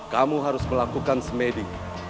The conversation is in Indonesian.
kamu harus melakukan semedi